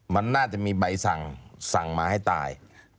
มันน่าจะมีใบสั่งมาให้ตาย